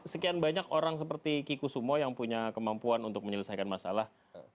sekian banyak orang seperti kikusumo yang punya kemampuan untuk menyelesaikan masalah